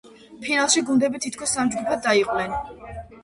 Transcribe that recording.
ფინალში გუნდები თითქოს სამ ჯგუფად დაიყვნენ.